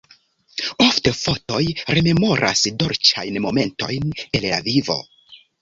Ofte fotoj rememoras dolĉajn momentojn el la vivo.